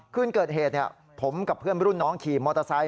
คืนเกิดเหตุผมกับเพื่อนรุ่นน้องขี่มอเตอร์ไซค